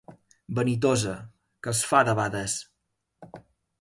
Vanitosa, que es fa de bades.